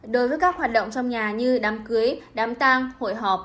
đối với các hoạt động trong nhà như đám cưới đám tang hội họp